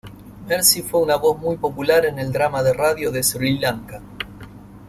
Mercy fue una voz muy popular en el drama de radio de Sri Lanka.